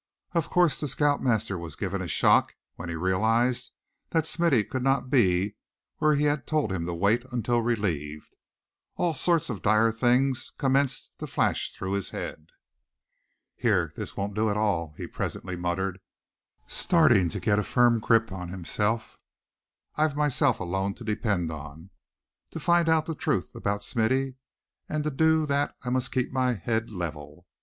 Of course the scout master was given a shock when he realized that Smithy could not be where he had told him to wait until relieved. All sorts of dire things commenced to flash through his head. "Here, this won't do at all," he presently muttered, starting to get a firm grip on himself; "I've myself alone to depend on, to find out the truth about Smithy, and to do that I must keep my head level.